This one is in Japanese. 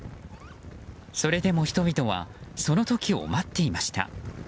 それでも人々はその時を待っていました。